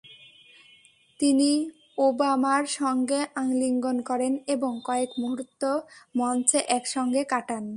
তিনি ওবামার সঙ্গে আলিঙ্গন করেন এবং কয়েক মুহূর্ত মঞ্চে একসঙ্গে কাটান।